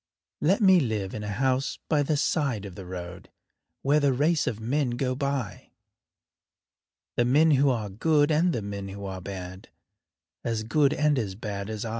Let me live in a house by the side of the road Where the race of men go by The men who are good and the men who are bad, As good and as bad as I.